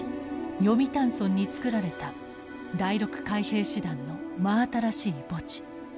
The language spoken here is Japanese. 読谷村に造られた第６海兵師団の真新しい墓地。